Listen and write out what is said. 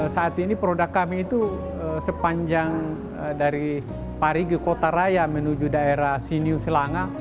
saat ini produk kami itu sepanjang dari parigi kota raya menuju daerah sini selanga